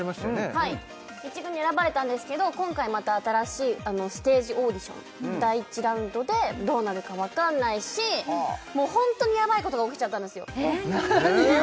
はい１軍に選ばれたんですけど今回また新しいステージオーディション第１ラウンドでどうなるか分かんないしもうホントにやばいことが起きちゃったんですよ何よ！？